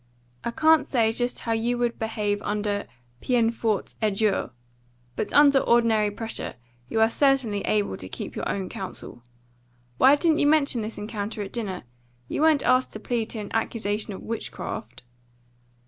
I can't say just how you would behave under peine forte et dure, but under ordinary pressure you are certainly able to keep your own counsel. Why didn't you mention this encounter at dinner? You weren't asked to plead to an accusation of witchcraft."